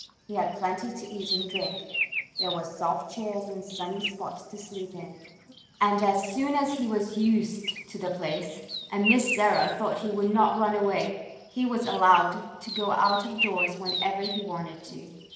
He had plenty to eat and drink. There were soft chairs and sunny spots to sleep in, and as soon as he was used to the place, and Miss Sarah thought he would not run away, he was allowed to go out of doors whenever he wanted to.